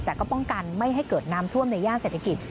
แต่ก็ป้องกันไม่ให้เกิดน้ำท่วมในย่านเศรษฐกิจ